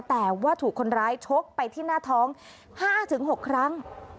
แต่ว่าถูกคนร้ายชกไปที่หน้าท้อง๕๖ครั้ง